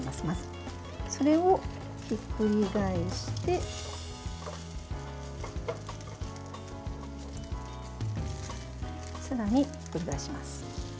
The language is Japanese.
それをひっくり返してさらにひっくり返します。